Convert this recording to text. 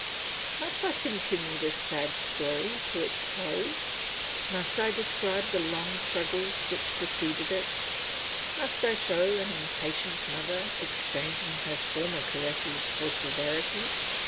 Must I continue this sad story to its close? Must I describe the long struggles which preceded it? Must I show an impatient mother exchanging her former caresses for severity?